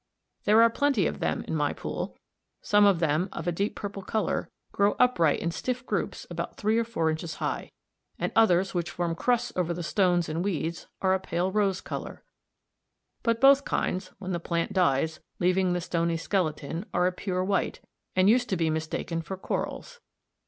There are plenty of them in my pool. Some of them, of a deep purple colour, grow upright in stiff groups about three or four inches high; and others, which form crusts over the stones and weeds, are a pale rose colour; but both kinds, when the plant dies, leaving the stony skeleton (1, Fig. 66), are a pure white, and used to be mistaken for corals.